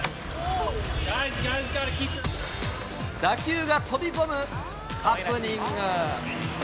打球が飛び込むハプニング。